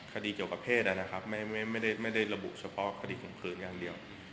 คดีเกี่ยวกับเพศนะครับไม่ได้ระบุเฉพาะคดีข่มขืนอย่างเดียว